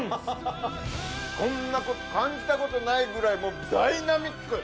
こんな感じたことないぐらいもうダイナミック！